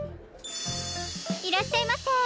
いらっしゃいませ。